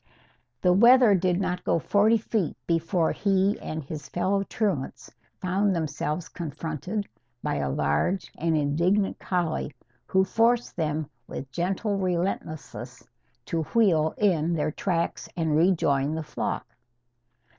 The wether did not go forty feet before he and his fellow truants found themselves confronted by a large and indignant collie, who forced them with gentle relentlessness to wheel in their tracks and rejoin the flock.